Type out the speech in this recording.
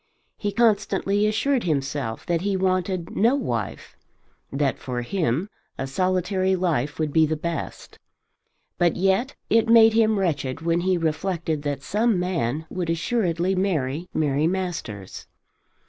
He constantly assured himself that he wanted no wife, that for him a solitary life would be the best. But yet it made him wretched when he reflected that some man would assuredly marry Mary Masters.